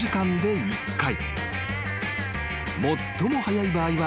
［最も速い場合は］